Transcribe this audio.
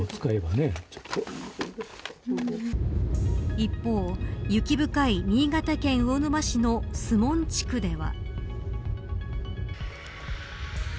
一方、雪深い新潟県魚沼市の守門地区では。